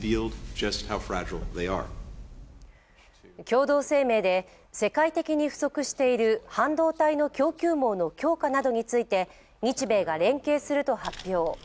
共同声明で、世界的に不足している半導体の供給網の強化などについて日米が連携すると発表。